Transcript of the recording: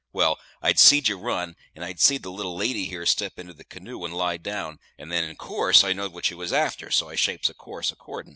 Well, I see'd ye run, and I see'd the little lady here step into the canoe and lie down; and then in course I knowed what you was after, so I shapes a course accordin'.